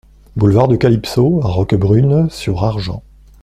Boulevard de Calypso à Roquebrune-sur-Argens